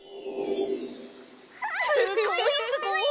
すごいすごい！